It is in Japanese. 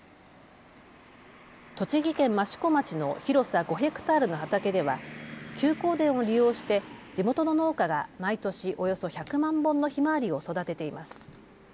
栃木県益子町の広さ５へクタールの畑では休耕田を利用して地元の農家が毎年およそ１００万本のひまわりを育てています。